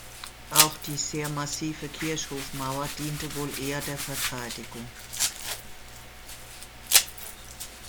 Auch die sehr massive Kirchhofmauer diente wohl eher der Verteidigung.